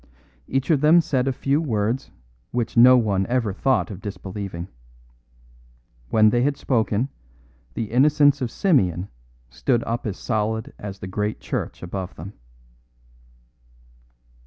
Each of them said a few words which no one ever thought of disbelieving. When they had spoken, the innocence of Simeon stood up as solid as the great church above them.